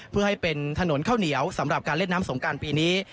เพื่อให้เป็นถนนข้าวเหนียวสำหรับการเล่นน้ำสงการปีนี้